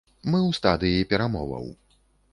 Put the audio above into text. Мы ў стадыі перамоваў.